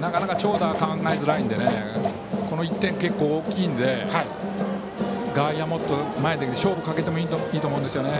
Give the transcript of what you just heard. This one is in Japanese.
なかなか長打は考えづらいのでこの１点、結構大きいので外野はもっと前で勝負かけてもいいと思うんですよね。